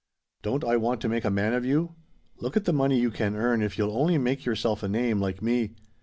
Don't I want to make a man of you? Look at the money you can earn if you'll only make yourself a name like me.